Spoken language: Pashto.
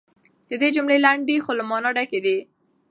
د ده جملې لنډې خو له مانا ډکې دي.